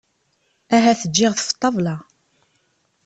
Ahat ǧǧiɣ-t ɣef ṭṭabla.